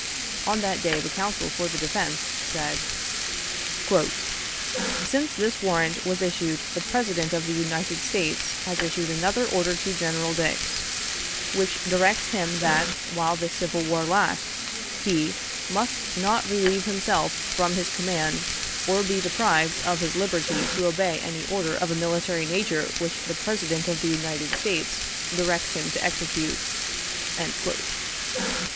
On that day the counsel for the defense said: "Since this warrant was issued, the President of the United States has issued another order to General Dix, which directs him that, while this civil war lasts, he 'must not relieve himself from his command, or be deprived of his liberty to obey any order of a military nature which the President of the United States directs him to execute.'"